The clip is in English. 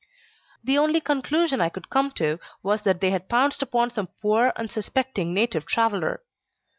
The only conclusion I could come to was that they had pounced upon some poor unsuspecting native traveller.